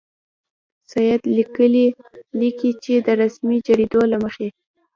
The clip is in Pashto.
سید لیکي چې د رسمي جریدو له مخې.